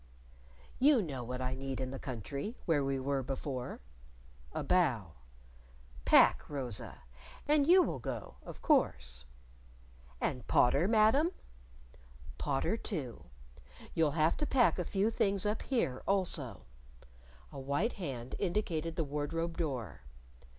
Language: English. "You know what I need in the country where we were before." A bow. "Pack, Rosa. And you will go, of course." "And Potter, Madam?" "Potter, too. You'll have to pack a few things up here also." A white hand indicated the wardrobe door.